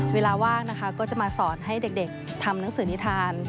เวลาว่างนะคะก็จะมาสอนให้เด็กทำหนังสือนิทาน